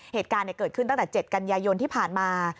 เหตุการณ์เกิดขึ้นตั้งแต่๗กันยายนที่ผ่านมา